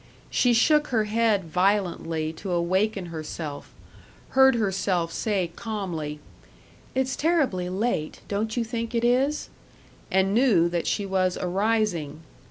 She shook her head violently to awaken herself, heard herself say, calmly, "It's terribly late. Don't you think it is?" and knew that she was arising.